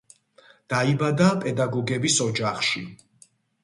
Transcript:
დაიბადა პედაგოგების ოჯახში.